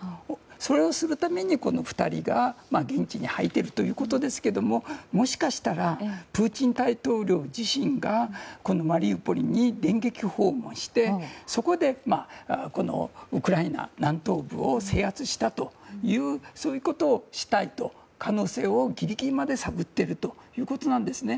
それをするために、この２人が現地に入っているということですがもしかしたらプーチン大統領自身がマリウポリに電撃訪問してそこでウクライナ南東部を制圧したというそういうことをしたいという可能性をギリギリまで探っているということなんですね。